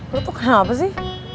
lo tuh kenapa sih